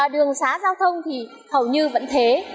đường xá giao thông thì hầu như vẫn thế